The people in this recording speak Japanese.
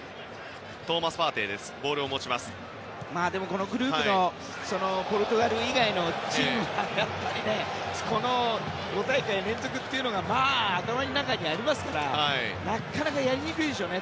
このグループのポルトガル以外のチームもやっぱり５大会連続というのが頭の中にありますからなかなかやりにくいでしょうね。